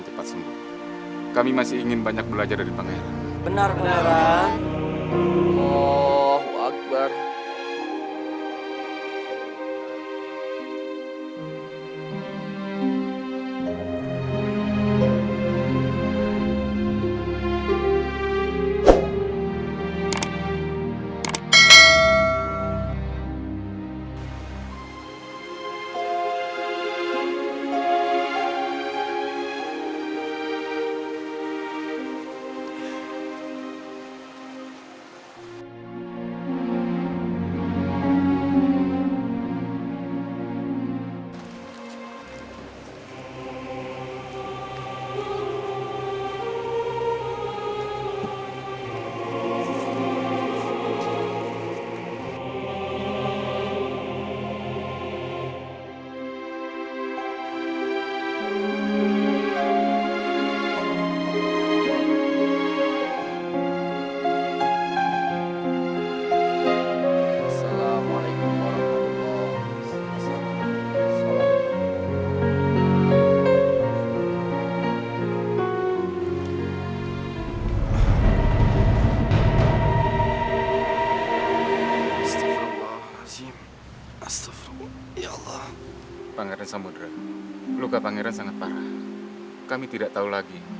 saya hanya ingin suatu hal